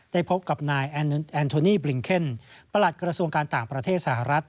พบกับนายแอนโทนี่บลิงเคนประหลัดกระทรวงการต่างประเทศสหรัฐ